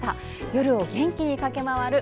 夜を元気に駆け回る